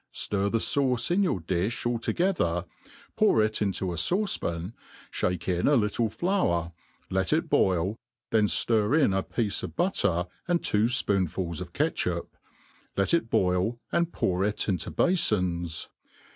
ftir the fauce in your difli all together, /pour it into a fauce pan, fiiake in a little flour, let it boil, then ftir in a piece of butter and two fpoonfulis^ of catch up, let it boil and pour it into bafohs.